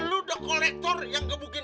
lo the kolektor yang ngebukin